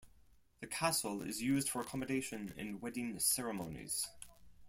The castle is used for accommodation and wedding ceremonies.